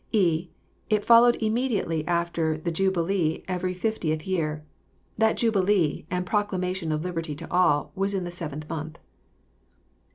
(e.) It followed Immediately after the jubilee every flftietli year. That Jubilee, and proclamation of liberty to all, was in the seventh month.